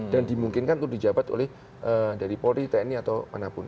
dan dimungkinkan itu di jabat oleh dari polri tni atau mana pun